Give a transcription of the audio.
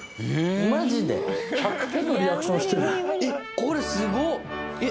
これすごっ！